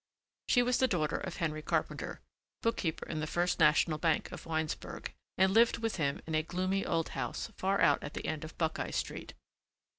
She was the daughter of Henry Carpenter, bookkeeper in the First National Bank of Winesburg, and lived with him in a gloomy old house far out at the end of Buckeye Street.